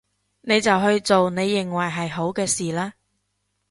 你就去做你認為係好嘅事啦